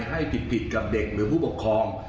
ให้ผิดกับเด็กหรือผู้ปกครอง